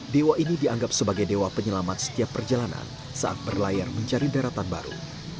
dewa ini dianggap sebagai dewa penyelamat setiap perjalanan saat berlayar mencari daratan baru